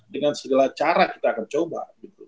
dengan segala cara kita akan coba